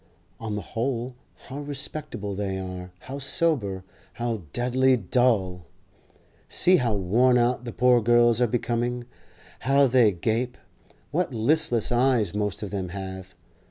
On the whole how respectable they are, how sober, how deadly dull! See how worn out the poor girls are becoming, how they gape, what listless eyes most of them have!